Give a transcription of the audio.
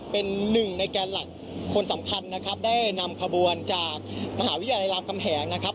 เป็นหนึ่งในแกนหลักคนสำคัญนะครับได้นำขบวนจากมหาวิทยาลัยรามกำแหงนะครับ